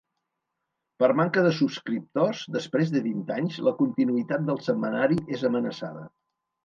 Per manca de subscriptors després de vint anys, la continuïtat del setmanari és amenaçada.